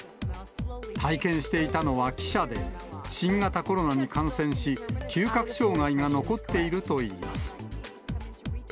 体験していたのは記者で、新型コロナに感染し、嗅覚障害が残っているといいます。